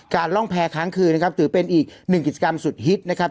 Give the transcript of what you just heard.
ร่องแพ้ค้างคืนนะครับถือเป็นอีกหนึ่งกิจกรรมสุดฮิตนะครับ